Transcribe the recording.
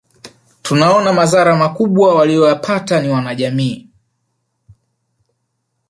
Tunaona madhara makubwa waliyoyapata ni wanajamii